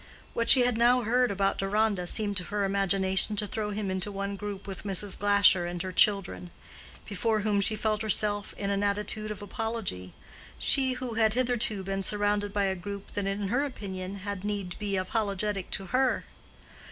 What she had now heard about Deronda seemed to her imagination to throw him into one group with Mrs. Glasher and her children; before whom she felt herself in an attitude of apology—she who had hitherto been surrounded by a group that in her opinion had need be apologetic to her.